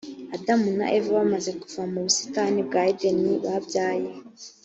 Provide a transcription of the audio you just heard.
adamu na eva bamaze kuva mu busitani bwa edeni babyaye